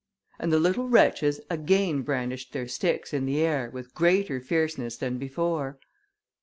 And the little wretches again brandished their sticks in the air with greater fierceness than before.